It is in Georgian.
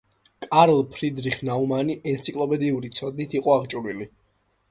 კარლ ფრიდრიხ ნაუმანი ენციკლოპედიური ცოდნით იყო აღჭურვილი.